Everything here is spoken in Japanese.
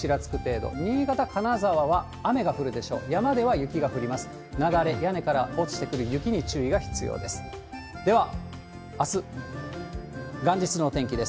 雪崩、屋根から落ちてくる雪に注意が必要です。